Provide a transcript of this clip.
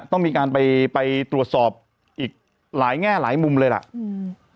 ต้องมีการไปไปตรวจสอบอีกหลายแง่หลายมุมเลยล่ะอืม